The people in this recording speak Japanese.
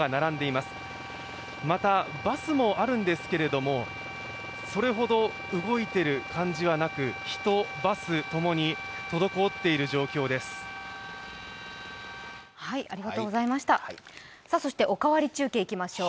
またバスもあるんですけれども、それほど動いている感じはなく、人、バスともに滞っている状況です「おかわり中継」いきましょう。